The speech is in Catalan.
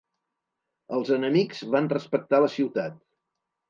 Els enemics van respectar la ciutat.